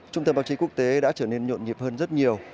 trung tâm báo chí quốc tế đã trở nên nhộn nhịp hơn rất nhiều